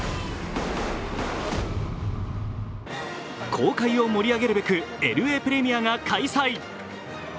公開を盛り上げるべく、ＬＡプレミアが開催。